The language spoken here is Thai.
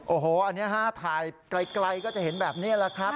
โอ้โหอันนี้ฮะถ่ายไกลก็จะเห็นแบบนี้แหละครับ